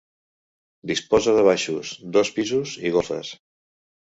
Disposa de baixos, dos pisos i golfes.